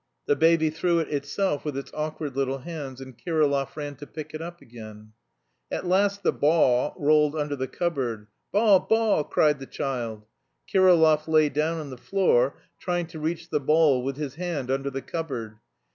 The baby threw it itself with its awkward little hands, and Kirillov ran to pick it up again. At last the "baw" rolled under the cupboard. "Baw! baw!" cried the child. Kirillov lay down on the floor, trying to reach the ball with his hand under the cupboard.